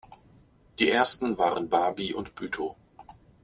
Die ersten waren Barby und Bütow.